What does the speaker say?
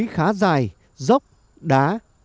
cột điện khá dài dốc đá